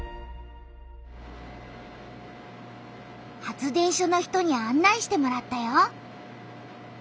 発電所の人にあん内してもらったよ。